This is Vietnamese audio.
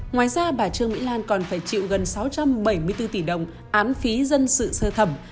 ngoài ra bà trương mỹ lan còn phải chịu gần sáu trăm bảy mươi bốn tỷ đồng án phí dân sự sơ thẩm